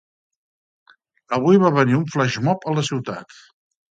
Avui va venir un flash mob a la ciutat.